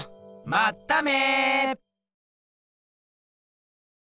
まっため！